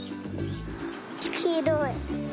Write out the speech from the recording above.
きいろい。